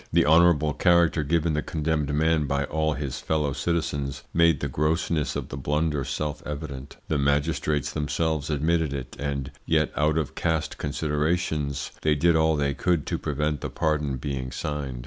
The honourable character given the condemned man by all his fellow citizens made the grossness of the blunder self evident. The magistrates themselves admitted it, and yet out of caste considerations they did all they could to prevent the pardon being signed.